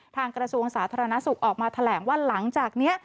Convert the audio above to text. กระทรวงสาธารณสุขออกมาแถลงว่าหลังจากนี้